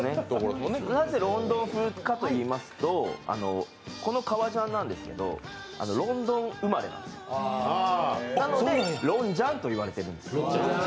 なぜロンドン風かといいますと、この革ジャンなんですけどロンドン生まれなんですよ、なのでロンジャンと言われているんです。